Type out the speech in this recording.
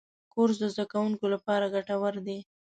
کورس د زدهکوونکو لپاره ګټور دی.